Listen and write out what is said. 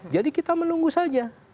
jadi kita menunggu saja